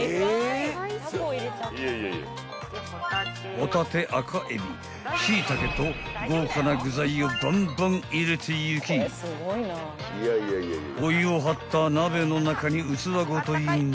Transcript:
［ホタテ赤海老シイタケと豪華な具材をバンバン入れていきお湯を張った鍋の中に器ごとイン］